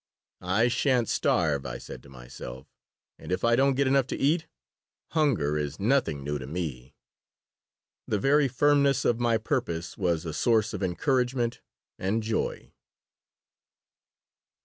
"I sha'n't starve," I said to myself. "And, if I don't get enough to eat, hunger is nothing new to me." The very firmness of my purpose was a source of encouragement and joy.